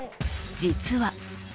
［実は］